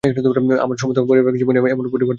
আমার সমস্ত পরিব্রাজক জীবনে এমন পরিবার তো আর দেখলাম না।